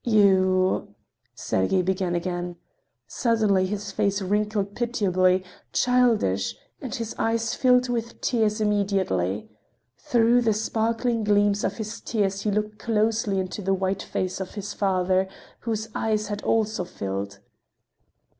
"You—" Sergey began again. Suddenly his face wrinkled pitiably, childishly, and his eyes filled with tears immediately. Through the sparkling gleams of his tears he looked closely into the white face of his father, whose eyes had also filled.